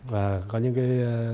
và có những cái